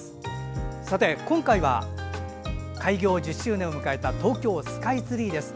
今回は、開業１０周年を迎えた東京スカイツリーです。